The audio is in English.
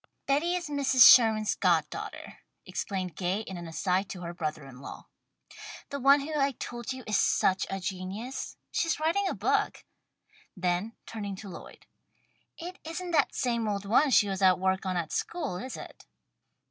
"Betty is Mrs. Sherman's god daughter," explained Gay in an aside to her brother in law. "The one who I told you is such a genius. She's writing a book." Then turning to Lloyd. "It isn't that same old one she was at work on at school, is it?"